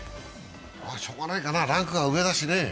しようがないかな、ランクが上だしね。